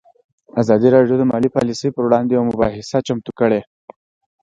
ازادي راډیو د مالي پالیسي پر وړاندې یوه مباحثه چمتو کړې.